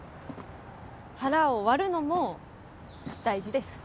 腹を割るのも大事です。